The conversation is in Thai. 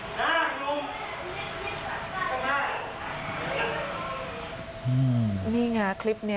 สวัสดีครับ